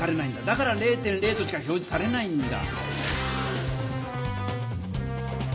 だから０．０としか表じされないんだ。